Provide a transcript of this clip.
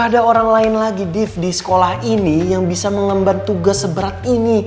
ada orang lain lagi deef di sekolah ini yang bisa mengemban tugas seberat ini